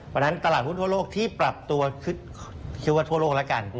วันนั้นตลาดหุ้นทั่วโลกที่ปรับตัวคิดว่าทั่วโลกแล้วกัน